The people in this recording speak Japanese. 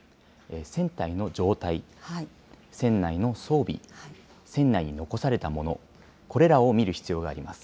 船体の状態、船内の装備、船内に残された物、これらを見る必要があります。